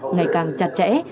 ngày càng chặt chẽ